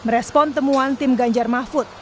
merespon temuan tim ganjar mahfud